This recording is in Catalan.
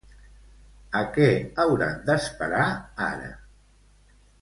A què hauran d'esperar ara?